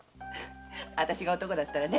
あたしが男だったらね